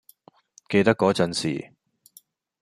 記得嗰陣時